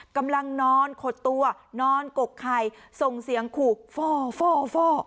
กำลังนอนขดตัวนอนกกไข่ส่งเสียงขู่ฟ่อ